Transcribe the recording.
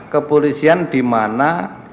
kepolisian di mana